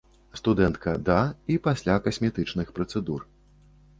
Студэнтка да і пасля касметычных працэдур.